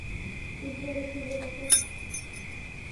Үҙҙәре төҙөмәгәс!